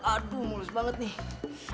aduh mulus banget nih